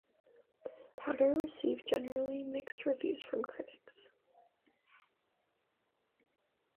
"Powder" received generally mixed reviews from critics.